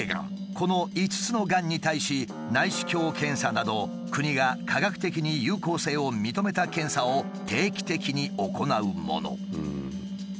この５つのがんに対し内視鏡検査など国が科学的に有効性を認めた検査を定期的に行うもの。